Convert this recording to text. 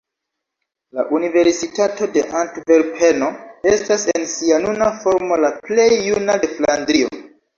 La Universitato de Antverpeno estas en sia nuna formo la plej juna de Flandrio.